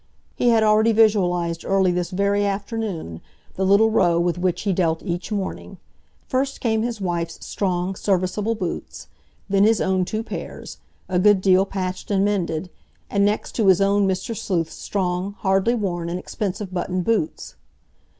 He had already visualised early this very afternoon the little row with which he dealt each morning—first came his wife's strong, serviceable boots, then his own two pairs, a good deal patched and mended, and next to his own Mr. Sleuth's strong, hardly worn, and expensive buttoned boots.